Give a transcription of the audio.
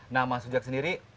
nah mas sujak sendiri